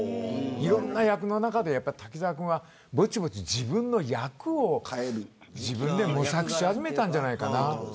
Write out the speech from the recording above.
いろんな役の中で滝沢君はぼちぼち自分の役を変える模索し始めたんじゃないかな。